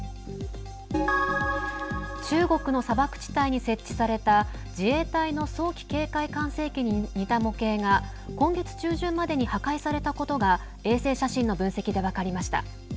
中国の砂漠地帯に設置された自衛隊の早期警戒管制機に似た模型が今月中旬までに破壊されたことが衛星写真の分析で分かりました。